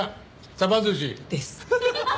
サバ寿司。です。